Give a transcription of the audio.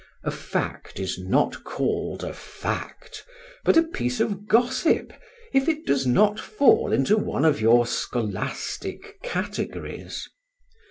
A fact is not called a fact, but a piece of gossip, if it does not fall into one of your scholastic categories.